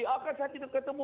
oh kan saya tidak ketemu